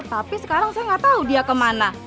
tapi sekarang saya nggak tahu dia kemana